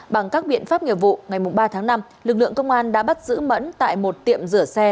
bằng các biện pháp nghiệp vụ ngày ba tháng năm lực lượng công an đã bắt giữ mẫn tại một tiệm rửa xe